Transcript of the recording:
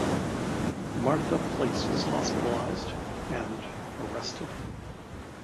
Martha Place was hospitalized and arrested.